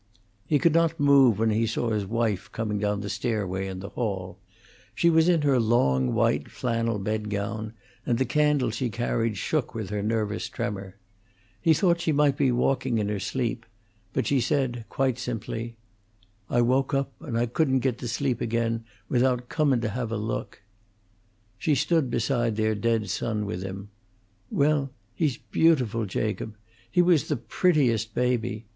He could not move when he saw his wife coming down the stairway in the hall. She was in her long, white flannel bed gown, and the candle she carried shook with her nervous tremor. He thought she might be walking in her sleep, but she said, quite simply, "I woke up, and I couldn't git to sleep ag'in without comin' to have a look." She stood beside their dead son with him, "well, he's beautiful, Jacob. He was the prettiest baby!